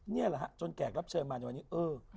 นี่แหละฮะจนแขกรับเชิญมาในวันนี้เออ